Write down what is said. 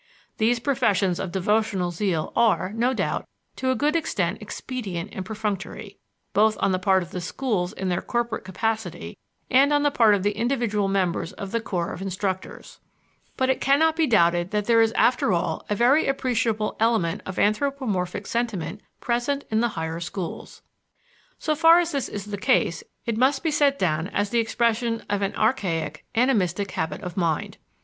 These professions of devotional zeal are, no doubt, to a good extent expedient and perfunctory, both on the part of the schools in their corporate capacity, and on the part of the individual members of the corps of instructors; but it can not be doubted that there is after all a very appreciable element of anthropomorphic sentiment present in the higher schools. So far as this is the case it must be set down as the expression of an archaic, animistic habit of mind.